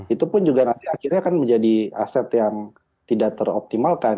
itu pun juga nanti akhirnya akan menjadi aset yang tidak teroptimalkan